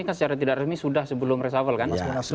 kan secara tidak resmi sudah sebelum reshuffle kan